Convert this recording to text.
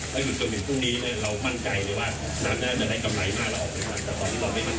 แต่ตอนนี้เราไม่มักสั่ง